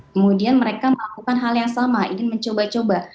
kemudian mereka melakukan hal yang sama ingin mencoba coba